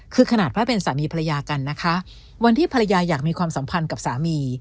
คือขนาดพระเป็นสามีภรรยากันนะคะวันที่ภรรยาอยากมีความสัมพันธ์กับสามี